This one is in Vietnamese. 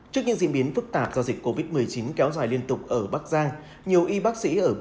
trước những diễn biến phức tạp do dịch covid một mươi chín kéo dài liên tục ở bắc giang nhiều y bác sĩ ở